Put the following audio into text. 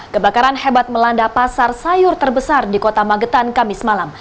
kebakaran hebat melanda pasar sayur terbesar di kota magetan kamis malam